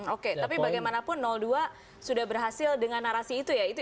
oke tapi bagaimanapun dua sudah berhasil dengan narasi itu ya